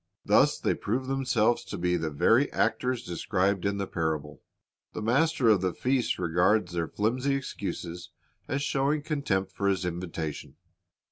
Thus they prove themselves to be the veiy actors described in the parable. The Master of the feast regards their flimsy excuses as showing contempt for His invitation.